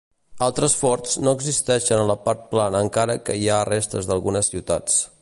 Altres forts no existeixen a la part plana encara que hi ha restes d'algunes ciutats.